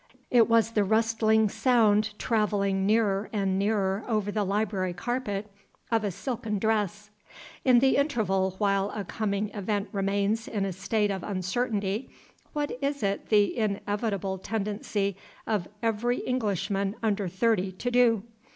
It was the rustling sound (traveling nearer and nearer over the library carpet) of a silken dress. (In the interval while a coming event remains in a state of uncertainty, what is it the inevitable tendency of every Englishman under thirty to do?